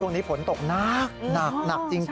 ตรงนี้ฝนตกหนักหนักหนักจริงครับ